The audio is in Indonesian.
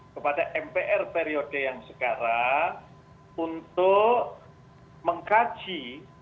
kepada mpr periode yang sekarang untuk mengkaji